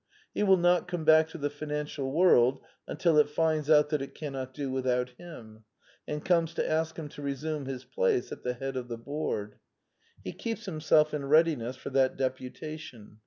He will not come back to the financial world until it finds out that it cannot do without him, and comes to ask him to resume his place at the head of the board. He keeps himself in readiness for that deputation.